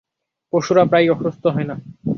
পশুরা প্রায়ই অসুস্থ হয় না।